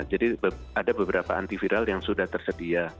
jadi ada beberapa antiviral yang sudah tersedia